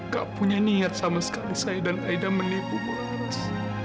tak punya niat sama sekali saya dan aida menipu ibu nanas